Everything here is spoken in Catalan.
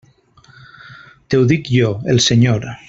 T'ho dic jo, el Senyor.